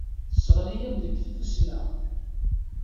Tesseɣli-am deg tfesna.